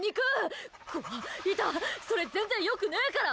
それ全然よくねーから！